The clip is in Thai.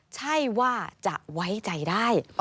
ใช่ว่าจะไว้ใจได้